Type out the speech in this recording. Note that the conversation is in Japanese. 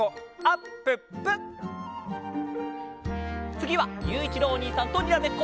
つぎはゆういちろうおにいさんとにらめっこ。